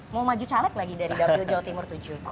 mau maju caleg lagi dari dapil jawa timur tujuh